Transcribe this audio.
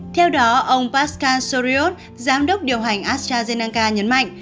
theo đó ông pascal soriot giám đốc điều hành astrazeneca nhấn mạnh